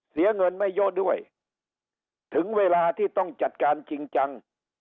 เสียเงินไม่เยอะด้วยถึงเวลาที่ต้องจัดการจริงจัง